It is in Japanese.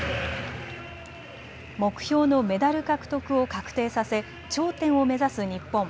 目標のメダル獲得を確定させ頂点を目指す日本。